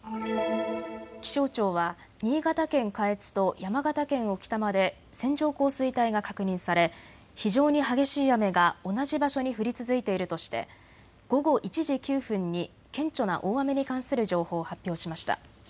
気象庁は新潟県下越と山形県置賜で線状降水帯が確認され非常に激しい雨が同じ場所に降り続いているとして午後１時９分に顕著な大雨に関する情報を発表しました。